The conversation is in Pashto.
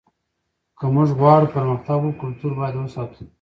که موږ غواړو پرمختګ وکړو کلتور باید وساتو.